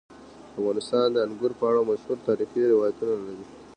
افغانستان د انګور په اړه مشهور تاریخی روایتونه لري.